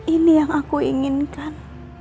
ini yang aku inginkan